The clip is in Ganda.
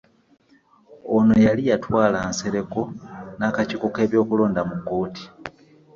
Ono yali yatwala Nsereko n'akakiiko k'ebyokulonda mu kkooti